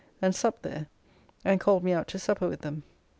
] and supped there, and called me out to supper with them.